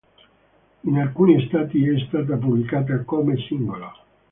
In alcuni stati è stata pubblicata come singolo.